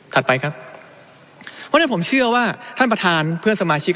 ไปครับเพราะฉะนั้นผมเชื่อว่าท่านประธานเพื่อนสมาชิก